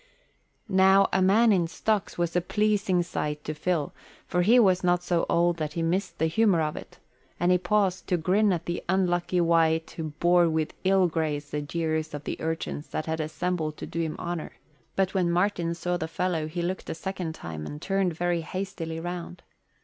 Now a man in stocks was a pleasing sight to Phil, for he was not so old that he missed the humour of it, and he paused to grin at the unlucky wight who bore with ill grace the jeers of the urchins that had assembled to do him honour; but when Martin saw the fellow he looked a second time and turned very hastily round.